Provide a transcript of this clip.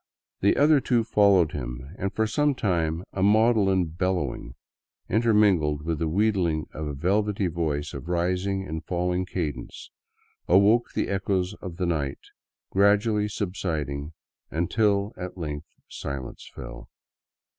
The other two followed him, and for some time a maudlin bellowing, inter mingled with the wheedling of a velvety voice of rising and falling cadence, awoke the echoes of the night, gradually subsiding until at length silence fell.